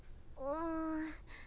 うん。